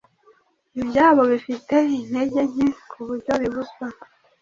ibyabo bifite intege nke kuburyo bibuzwa